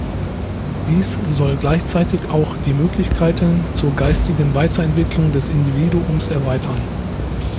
Dies soll gleichzeitig auch die Möglichkeiten zur geistigen Weiterentwicklung des Individuums erweitern.